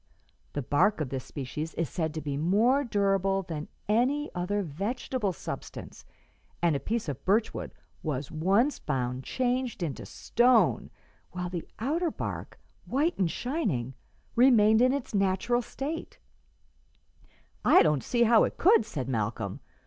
The bark of this species is said to be more durable than any other vegetable substance, and a piece of birch wood was once found changed into stone, while the outer bark, white and shining, remained in its natural state," "I don't see how it could," said Malcolm.